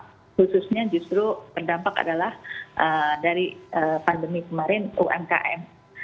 khususnya justru terdampak adalah dari pandemi kemarin umkm